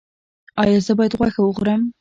ایا زه باید غوښه وخورم؟